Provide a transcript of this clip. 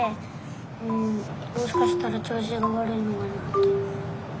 うんもしかしたらちょうしがわるいのかなって。